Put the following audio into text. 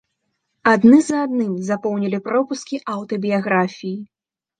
Адны за адным запоўнілі пропускі аўтабіяграфіі.